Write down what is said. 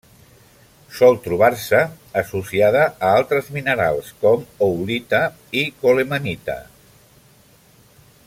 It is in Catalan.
Sol trobar-se associada a altres minerals com: howlita i colemanita.